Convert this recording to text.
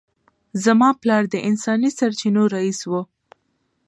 زما پلار د انساني سرچینو رییس و